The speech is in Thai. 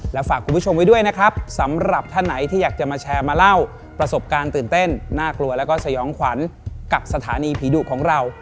และฝากคุณผู้ชมไว้ด้วยนะครับสำหรับท่านไหนที่อยากจะมาแชร์มาเล่าประสบการณ์ตื่นเต้นน่ากลัวแล้วก็สยองขวัญกับสถานีผีดุของเรา